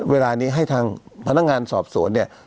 เวลานี้ให้ทางพนักงานสอบสวนเนี่ย